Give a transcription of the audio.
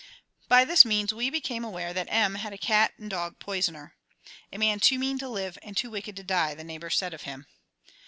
By this means we became aware that M had a cat and dog poisoner; "a man too mean to live and too wicked to die," the neighbors said of him.